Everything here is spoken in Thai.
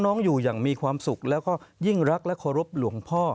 อยู่อย่างมีความสุขแล้วก็ยิ่งรักและเคารพหลวงพ่อ